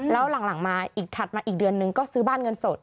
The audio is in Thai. แล้วหลังมาอีกถัดมาอีกเดือนนึงก็ซื้อบ้านเงินสด